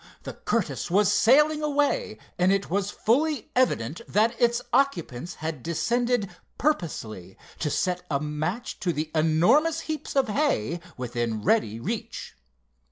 The Curtiss was sailing away, and it was fully evident that its occupants had descended purposely to set a match to the enormous heaps of hay within ready reach.